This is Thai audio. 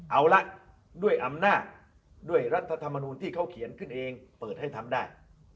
เอาละด้วยอำนาจด้วยรัฐธรรมนูลที่เขาเขียนขึ้นเองเปิดให้ทำได้